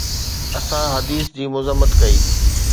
اسان حديث جي مذمت ڪئي